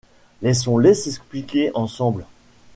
Laissons-les s’expliquer ensemble.